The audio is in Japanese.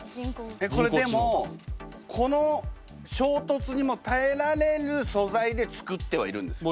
でもこの衝突にも耐えられる素材で作ってはいるんですよね？